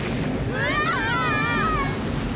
うわ！